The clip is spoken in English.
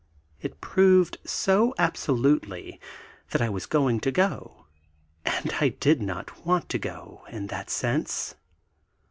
It proved so absolutely that I was "going to go," and I did not want to go in that sense.